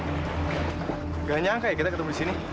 tidak menyangka kita bertemu di sini